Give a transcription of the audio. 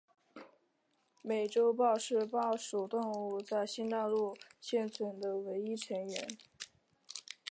美洲豹是豹属动物在新大陆上现存的唯一成员。